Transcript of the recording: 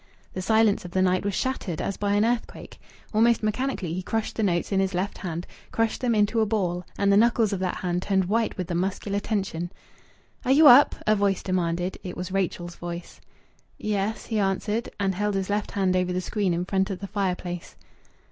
The silence of the night was shattered as by an earthquake. Almost mechanically he crushed the notes in his left hand crushed them into a ball; and the knuckles of that hand turned white with the muscular tension. "Are you up?" a voice demanded. It was Rachel's voice. "Ye es," he answered, and held his left hand over the screen in front of the fireplace.